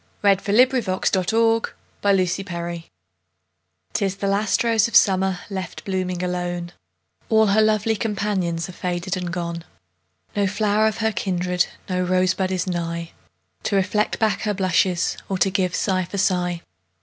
BRYANT 'TIS THE LAST ROSE OF SUMMER 'Tis the last rose of summer Left blooming alone; All her lovely companions Are faded and gone; No flower of her kindred, No rosebud is nigh, To reflect back her blushes, Or give sigh for sigh.